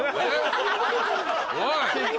おい！